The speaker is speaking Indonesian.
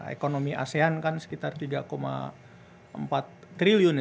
ekonomi asean kan sekitar tiga empat triliun